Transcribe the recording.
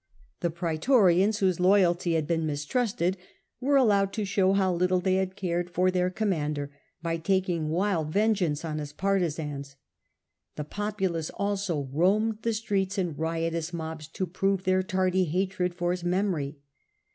The praetorians whose loyalty had been mistrusted were allowed to show how little they had cared for their commander by taking wild vengeance on his partisans ; the populace also roamed the streets in riotous mobs to prove their tardy hatred for his memory.